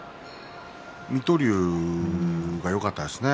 水戸龍がよかったですね。